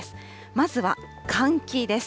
まずは換気です。